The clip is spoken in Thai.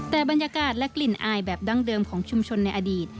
แต่บรรยากาศและกลิ่นอายแบบดั้งเดิมของชุมชนในอดีต